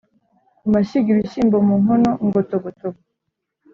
ku mashyiga ibishyimbo mu nkono ngo togotogo